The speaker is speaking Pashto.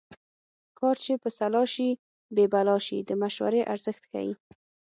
کار چې په سلا شي بې بلا شي د مشورې ارزښت ښيي